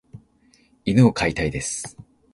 犬を飼いたいです。